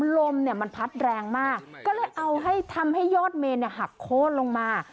ลมเนี่ยมันพัดแรงมากก็เลยเอาให้ทำให้ยอดเมนหักโค้นลงมา